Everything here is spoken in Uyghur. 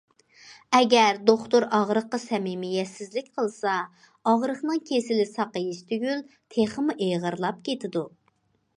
ئەگەر دوختۇر ئاغرىققا سەمىمىيەتسىزلىك قىلسا، ئاغرىقنىڭ كېسىلى ساقىيىش تۈگۈل تېخىمۇ ئېغىرلاپ كېتىدۇ.